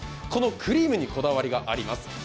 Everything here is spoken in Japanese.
このクリームにこだわりがあります。